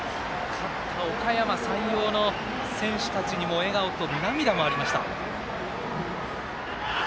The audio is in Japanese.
勝ったおかやま山陽の選手たちにも笑顔と涙もありました。